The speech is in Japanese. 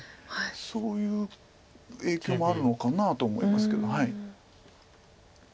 そういう影響もあるのかなと思いますけど。